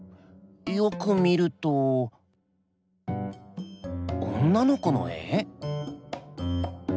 よく見ると女の子の絵？